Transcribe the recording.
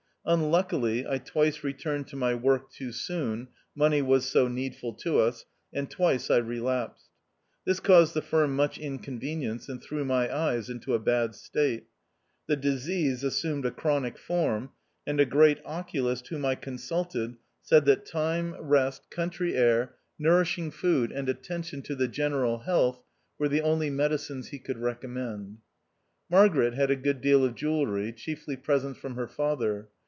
Unluckily, I twice returned to my work too soon (money was so needful to us), and twice I relapsed. This caused the firm much inconvenience, and threw my eyes into a bad state. The disease assumed a chronic form, and a great oculist whom I consulted, said that time, rest, THE OUTCAST. 187 country air, nourishing food, and attention to the general health were the only medicines he could recommend. Margaret had a good deal of jewellery, chiefly presents from her father.